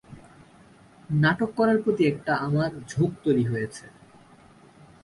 নাটক করার প্রতি একটা আমার ঝোঁক তৈরি হয়েছে।